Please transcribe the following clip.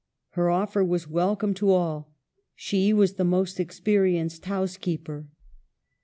Her offer was welcome to all ; she was the most experienced housekeeper.